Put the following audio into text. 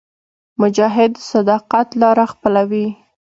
مجاهد د صداقت لاره خپلوي.